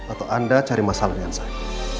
atau anda cari masalah dengan saya